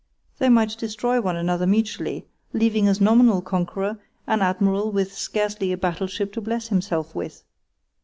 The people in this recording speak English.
They might destroy one another mutually, leaving as nominal conqueror an admiral with scarcely a battleship to bless himself with.